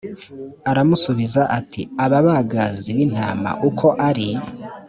aramusubiza ati aba bagazi b intama uko ari